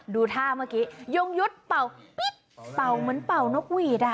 ดูท่าเมื่อกี้ยงยุทธ์เป่ามันเป่านกหวีด